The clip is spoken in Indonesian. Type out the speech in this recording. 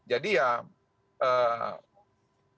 oke jadi ini masih berdasarkan penglihatan